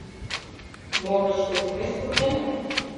— Можыч, ӧкымеш пуртеныт?